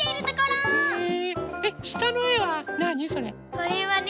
これはね